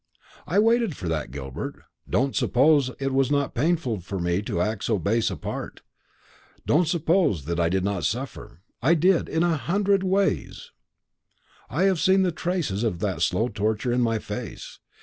I waited for that, Gilbert. Don't suppose that it was not painful to me to act so base a part; don't suppose that I did not suffer. I did in a hundred ways. You have seen the traces of that slow torture in my face.